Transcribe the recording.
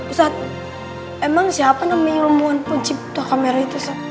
ustadz emang siapa namanya ilmuwan pencipta kamera itu